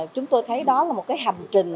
chúng tôi thấy đó là một cái hành trình